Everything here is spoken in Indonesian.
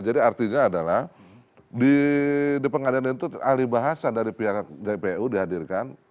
jadi artinya adalah di pengadilan itu alih bahasa dari pihak jpu dihadirkan